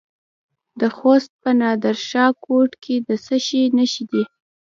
د خوست په نادر شاه کوټ کې د څه شي نښې دي؟